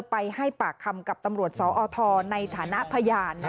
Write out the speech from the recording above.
ไปให้ปากคำกับตำรวจสอทในฐานะพยาน